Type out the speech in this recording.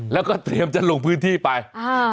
แล้วก็เตรียมจะลงพื้นที่ไปอ่า